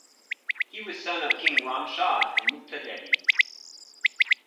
He was son of king Ram Shah and Mukta Devi.